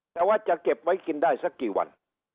แต่ว่าจะเก็บไว้กินได้สักกี่วัน